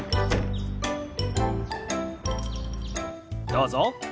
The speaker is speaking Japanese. どうぞ。